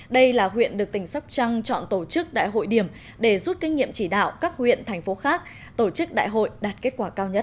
đây là huyện được tỉnh sóc trăng chọn tổ chức đại hội điểm để rút kinh nghiệm chỉ đạo các huyện thành phố khác tổ chức đại hội đạt kết quả cao nhất